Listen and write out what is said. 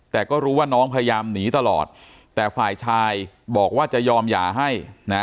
แต่ก็รู้ว่าน้องพยายามหนีตลอดแต่ฝ่ายชายบอกว่าจะยอมหย่าให้นะ